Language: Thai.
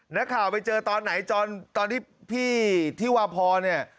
นักข่าวไปเจอตอนไหนตอนที่พี่ที่วาพรเนี่ย